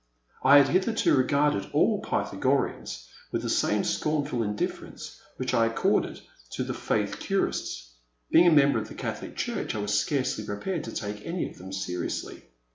I had hitherto regarded all Pythagoreans with the same scornful indifference which I accorded to the The Man at the Next Table. 365 Faith Ctirists ; being a member of the Catholic Church I was scarcely prepared to take any of them seriously.